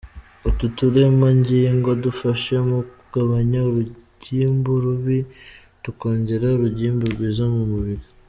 Utu turemangingo dufasha mu kugabanya urugimbu rubi tukongera urugimbu rwiza mu mubiri.